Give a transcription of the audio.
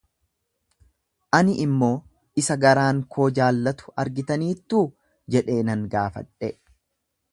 ani immoo, Isa garaan koo jaallatu argitaniittuu? jedhee nan gaafadhe.